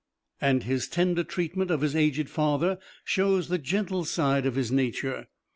And his tender treatment of his aged father shows the gentle side of his nature.